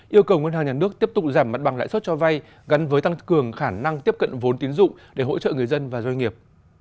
yêu cầu ngân hàng nhà nước tiếp tục giảm mặt bằng lãi suất cho vay gắn với tăng cường khả năng tiếp cận vốn tiến dụng để hỗ trợ người dân và doanh nghiệp